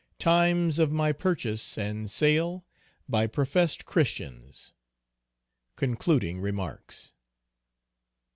Times of my purchase and sale by professed Christians. Concluding remarks.